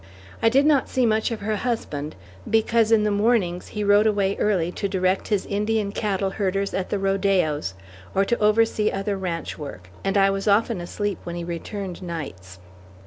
I did not see much of her husband, because in the mornings he rode away early to direct his Indian cattle herders at the rodeos, or to oversee other ranch work, and I was often asleep when he returned nights.